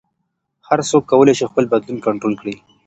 هر څوک کولی شي خپل بدلون کنټرول کړي.